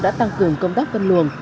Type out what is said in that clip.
đã tăng cường công tác vân luồng